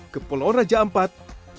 kepulauan raja ampat